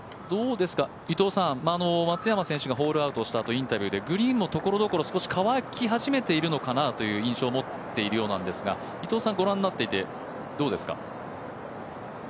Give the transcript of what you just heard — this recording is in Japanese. どうですか、松山選手がホールアウトしたあとインタビューでグリーンもところどころ乾き始めているかなという印象を持っているようなんですが御覧になっていてどうですか？